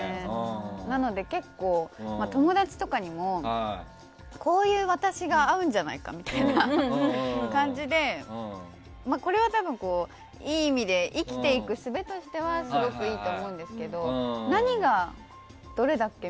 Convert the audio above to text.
なので結構、友達とかにもこういう私が合うんじゃないかみたいな感じでこれは多分、いい意味で生きていくすべとしてはすごくいいと思うんですけど何がどれだっけ？